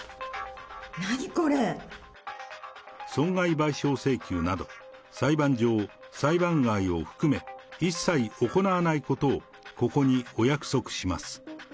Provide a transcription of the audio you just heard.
何、損害賠償請求など、裁判上、裁判外を含め、一切行わないことをここにお約束します。